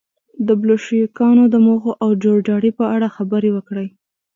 د بلشویکانو د موخو او جوړجاړي په اړه خبرې وکړي.